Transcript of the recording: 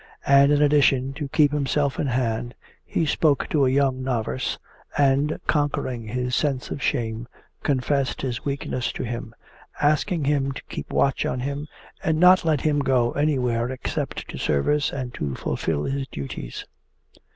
And in addition, to keep himself in hand, he spoke to a young novice and, conquering his sense of shame, confessed his weakness to him, asking him to keep watch on him and not let him go anywhere except to service and to fulfil his duties.